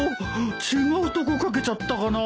違うとこかけちゃったかな。